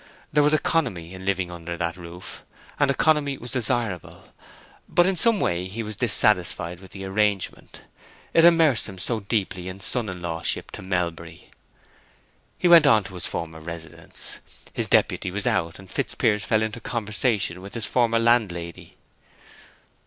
There was economy in living under that roof, and economy was desirable, but in some way he was dissatisfied with the arrangement; it immersed him so deeply in son in lawship to Melbury. He went on to his former residence. His deputy was out, and Fitzpiers fell into conversation with his former landlady.